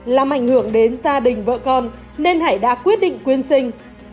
làm ảnh hưởng đến gia đình vợ con nên hải đã quyết định quyên sinh